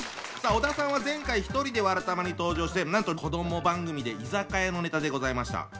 さあ小田さんは前回一人で「わらたま」に登場してなんと子ども番組で居酒屋のネタでございました。